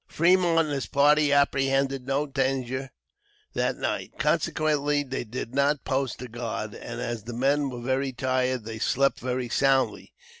Fremont and his party apprehended no danger that night; consequently, they did not post a guard, and as the men were very tired they slept very soundly.